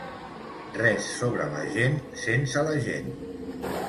Res sobre la gent sense la gent.